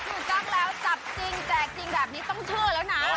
ถูกต้องแล้วจับจริงแจกจริงแบบนี้ต้องชื่อแล้วนะ